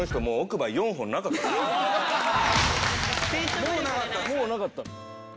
もうなかった。